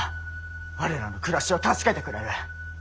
我らの暮らしを助けてくれる。